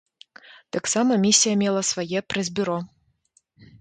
Таксама місія мела свае прэс-бюро.